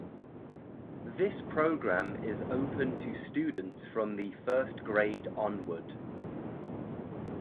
This program is open to students from the first grade onward.